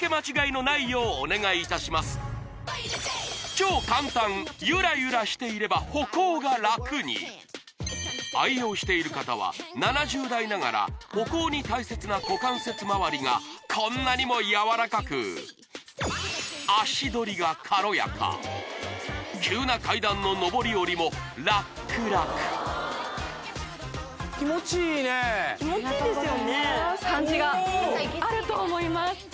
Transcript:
超簡単ゆらゆらしていれば歩行がラクに愛用している方は７０代ながら歩行に大切な股関節周りがこんなにも柔らかく足取りが軽やか急な階段の上り下りもラックラク・気持ちいいですよね・感じがあると思います